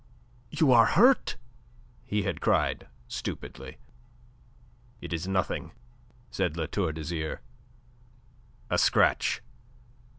"You are hurt!" he had cried stupidly. "It is nothing," said La Tour d'Azyr. "A scratch."